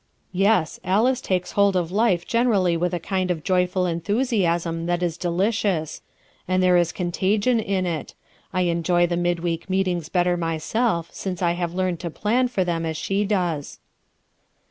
"Yes, Alice takes hold of life generally with a kind of joyful enthusiasm that is delicious. And there is contagion in it; I enjoy the mid week meetings better myself, since I have learned to plan for them as she does.